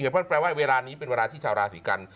เพราะฉะนั้นแปลว่าเวลานี้เป็นเวลาที่ชาวราศิกรรม